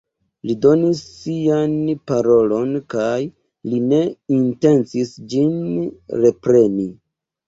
Li donis sian parolon, kaj li ne intencis ĝin repreni.